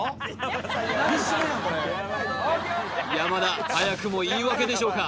山田早くも言い訳でしょうか